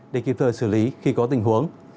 để kịp thời xử lý khi có tình huống